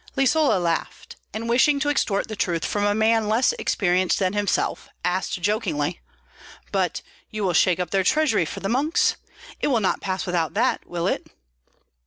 Lisola laughed, and wishing to extort the truth from a man less experienced than himself, asked jokingly, "But you will shake up their treasury for the monks? It will not pass without that, will it?"